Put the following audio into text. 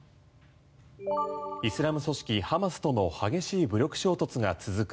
イスラム組織ハマスとの激しい武力衝突が続く